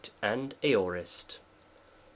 and Aorist. 2.